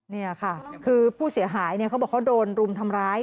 นี่ค่ะคือผู้เสียหายเขาบอกเขาโดนรุมทำร้าย